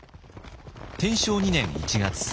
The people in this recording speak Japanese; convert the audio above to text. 天正２年１月。